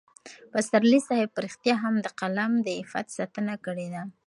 پسرلي صاحب په رښتیا هم د قلم د عفت ساتنه کړې ده.